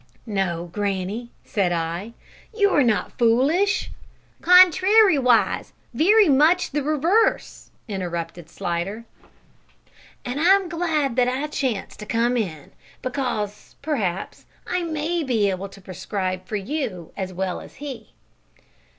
"No, granny," said I, "you're not foolish," ("Contrariwise, wery much the reverse," interrupted Slidder) "and I'm glad that I chanced to come in, because, perhaps, I may be able to prescribe for you as well as he."